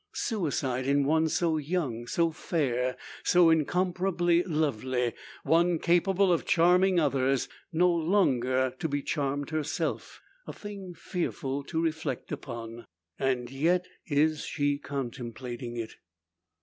Suicide in one so young, so fair, so incomparably lovely; one capable of charming others, no longer to be charmed herself! A thing fearful to reflect upon. And yet is she contemplating it!